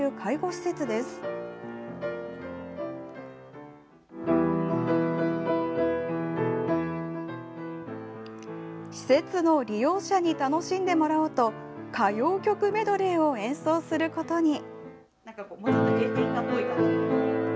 施設の利用者に楽しんでもらおうと歌謡曲メドレーを演奏することに。